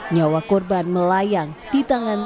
nyawa korban melayang di tangan